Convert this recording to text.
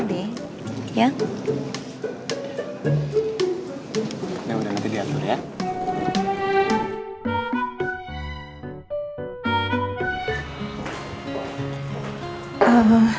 ini udah nanti diatur ya